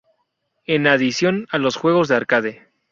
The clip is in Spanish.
En adición a los juegos de arcade.